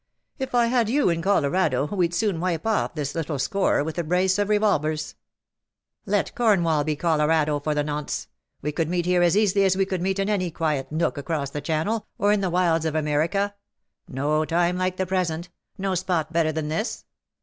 If I had you in Colorado we'd soon wipe off this little score with a brace of revolvers." " Let Cornwall be Colorado for the nonce. We could meet here as easily as we could meet in any quiet nook across the Channel, or in the wilds of AND SUCH DEADLY FRUIT/^ 233 America. No time like the present — no spot better than this."